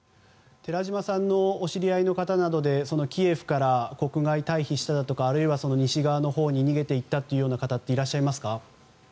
寺島さんのお知り合いの方などでキエフから国外退避したとかあるいは西側のほうに逃げていった方はいらっしゃいますか。